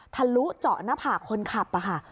ทะลุเจาะหน้าผากคนขับค่ะ